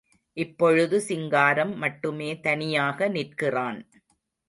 இப்பொழுது சிங்காரம் மட்டுமே தனியாக நிற்கிறான்.